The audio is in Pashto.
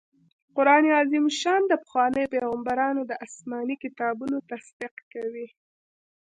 قرآن عظيم الشان د پخوانيو پيغمبرانو د اسماني کتابونو تصديق کوي